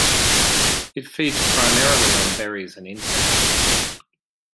It feeds primarily on berries and insects.